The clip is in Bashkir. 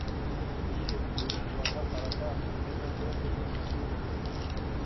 Эйе, бөгөн уларға ҡарата мөнәсәбәт бер төрлө генә түгел.